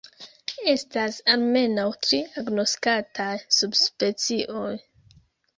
Estas almenaŭ tri agnoskataj subspecioj.